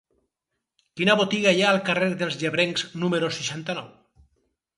Quina botiga hi ha al carrer dels Llebrencs número seixanta-nou?